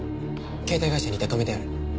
携帯会社に言って止めてある。